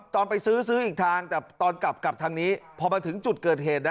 ตอนไปซื้อซื้ออีกทางแต่ตอนกลับกลับทางนี้พอมาถึงจุดเกิดเหตุ